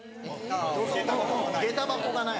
土足げた箱がない。